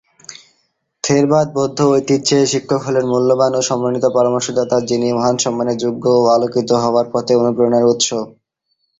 থেরবাদ বৌদ্ধ ঐতিহ্যে, শিক্ষক হলেন মূল্যবান ও সম্মানিত পরামর্শদাতা যিনি মহান সম্মানের যোগ্য ও আলোকিত হওয়ার পথে অনুপ্রেরণার উৎস।